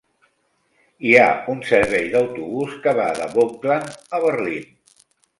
Hi ha un servei d'autobús que va de Vogtland a Berlín.